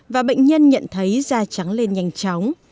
và bệnh nhân nhận thấy da trắng lên nhanh chóng